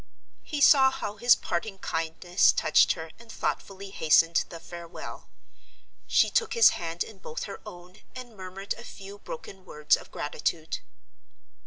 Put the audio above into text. He saw how his parting kindness touched her and thoughtfully hastened the farewell. She took his hand in both her own and murmured a few broken words of gratitude.